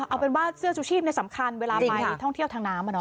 เอาเป็นว่าเสื้อชูชีพสำคัญเวลาไปท่องเที่ยวทางน้ำ